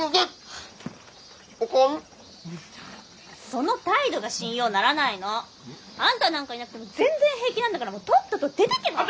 その態度が信用ならないの！あんたなんかいなくても全然平気なんだからもうとっとと出てけば？